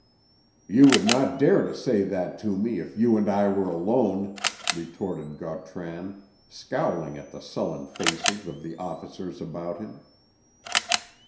"You would not dare to say that to me if you and I were alone," retorted Gautran, scowling at the sullen faces of the officers about him.